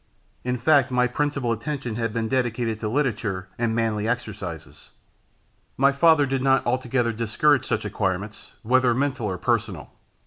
In fact, my principal attention had been dedicated to literature and manly exercises. My father did not altogether discourage such acquirements, whether mental or personal.